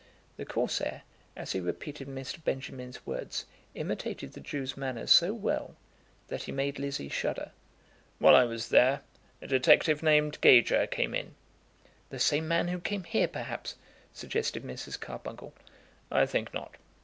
The Corsair, as he repeated Mr. Benjamin's words, imitated the Jew's manner so well, that he made Lizzie shudder. "While I was there, a detective named Gager came in." "The same man who came here, perhaps," suggested Mrs. Carbuncle. "I think not.